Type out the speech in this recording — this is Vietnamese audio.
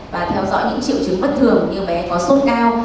và theo dõi những triệu chứng bất thường như bé có sốt cao